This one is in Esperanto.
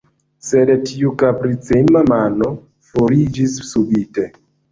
Sed tiu kapricema mano foriĝis subite.